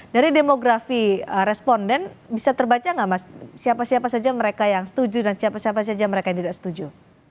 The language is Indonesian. dari demografi responden bisa terbaca nggak mas siapa siapa saja mereka yang setuju dan siapa siapa saja mereka yang tidak setuju